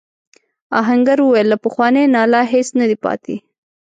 آهنګر وویل له پخواني ناله هیڅ نه دی پاتې.